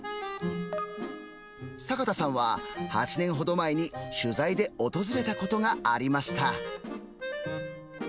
坂田さんは８年ほど前に取材で訪れたことがありました。